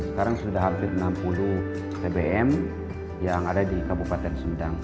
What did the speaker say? sekarang sudah hampir enam puluh tbm yang ada di kabupaten sumedang